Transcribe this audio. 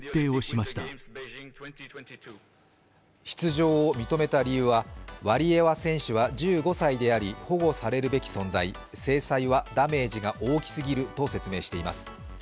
出場を認めた理由は、ワリエワ選手は１５歳であり保護されるべき存在、制裁はダメージが大きすぎると説明しています。